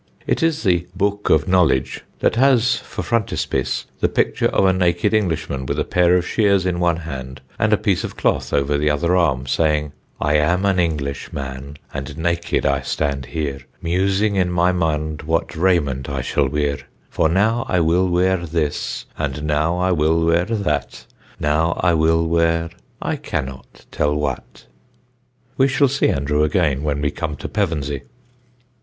It is the Boke of Knowledge that has for frontispiece the picture of a naked Englishman with a pair of shears in one hand and a piece of cloth over the other arm, saying: I am an English man and naked I stand here, Musing in my mund what rayment I shall were; For now I wyll were this, and now I wyl were that; Now I wyl were I cannot tel what. We shall see Andrew again when we come to Pevensey.